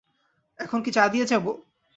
এখন কি চা দিয়ে যাব?